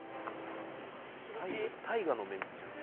大河のメンツじゃん。